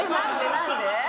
何で？